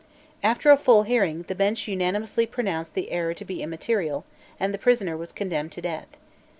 After a full hearing, the Bench unanimously pronounced the error to be immaterial; and the prisoner was condemned to death.